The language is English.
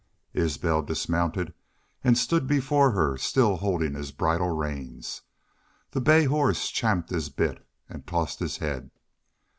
Isbel dismounted and stood before her, still holding his bridle reins. The bay horse champed his bit and tossed his head.